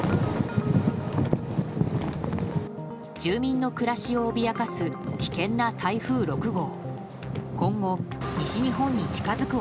住民の暮らしを脅かす危険な台風６号。